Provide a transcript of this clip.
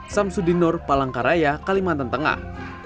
sam sudinur palangkaraya kalimantan tengah